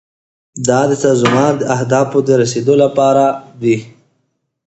دا د سازمان اهدافو ته د رسیدو لپاره دي.